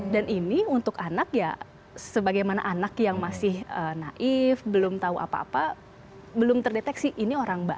dan ini untuk anak ya sebagaimana anak yang masih naif belum tahu apa apa belum terdeteksi ini orang buka